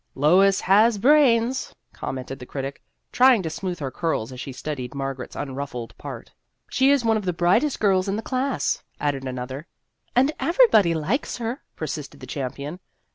" Lois has brains," commented the critic, trying to smooth her curls as she studied Margaret's unruffled part. 4 6 Vassar Studies " She is one of the brightest girls in the class," added another. " And everybody likes her," persisted the champion.